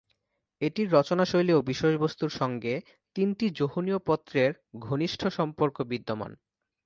এটির রচনাশৈলী ও বিষয়বস্তুর সঙ্গে তিনটি যোহনীয় পত্রের ঘনিষ্ঠ সম্পর্ক বিদ্যমান।